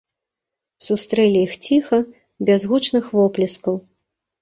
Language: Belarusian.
Сустрэлі іх ціха, без гучных воплескаў.